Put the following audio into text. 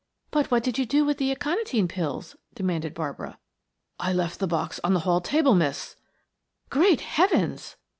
"But what did you do with the aconitine pills?" demanded Barbara. "I left the box on the hall table, miss " "Great heavens!"